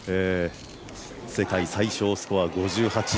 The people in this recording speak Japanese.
世界最少スコア５８。